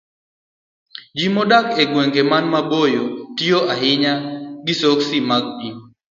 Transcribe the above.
Ji modak e gwenge man maboyo tiyo ahinya gi sokni mag pi.